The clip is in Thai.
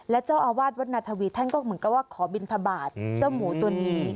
และเจ้าอาวาสวัดนาธวีท่านก็เหมือนกับว่าขอบินทบาทเจ้าหมูตัวนี้